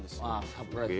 サプライズ？